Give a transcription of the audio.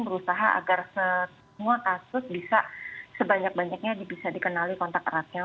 berusaha agar semua kasus bisa sebanyak banyaknya bisa dikenali kontak eratnya